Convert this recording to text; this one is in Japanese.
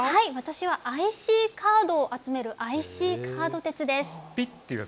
私はＩＣカードを集めるＩＣカード鉄です。